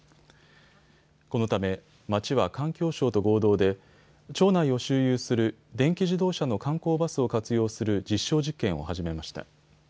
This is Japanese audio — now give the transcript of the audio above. このため町は環境省と合同で町内を周遊する電気自動車の観光バスを活用する実証実験を始めました。